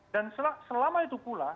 dan selama itu pula